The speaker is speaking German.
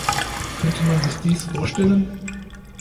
Könnte man sich dies vorstellen?